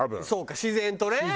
そうか自然とね。